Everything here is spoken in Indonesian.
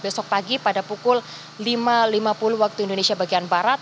besok pagi pada pukul lima lima puluh waktu indonesia bagian barat